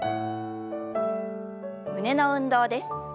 胸の運動です。